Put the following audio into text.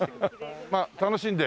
まあ楽しんで。